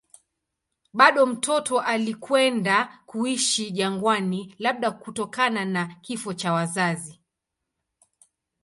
Bado mtoto alikwenda kuishi jangwani, labda kutokana na kifo cha wazazi.